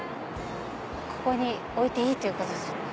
ここに置いていいってことですね。